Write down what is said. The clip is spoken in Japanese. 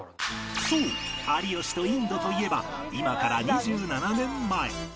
そう有吉とインドといえば今から２７年前